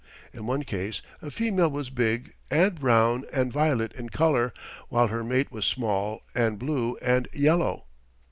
In one case a female was big, and brown and violet in colour, while her mate was small, and blue and yellow.